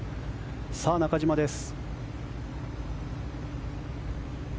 さあ、中島です。